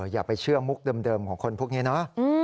อย่าไปเชื่อมุกเดิมของคนพวกนี้เนอะ